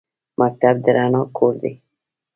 مکتب د رڼا کور دی